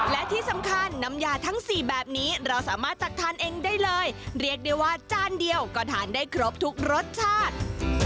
และที่สำคัญน้ำยาทั้งสี่แบบนี้เราสามารถตักทานเองได้เลยเรียกได้ว่าจานเดียวก็ทานได้ครบทุกรสชาติ